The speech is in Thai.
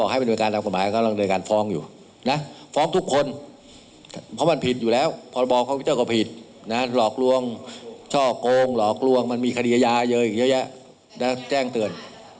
หลอกลวงช่อโกงหลอกลวงมันมีคดียายาเยอะจะแจ้งเตือน